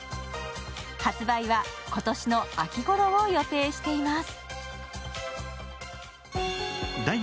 発売は今年の秋ごろを予定しています。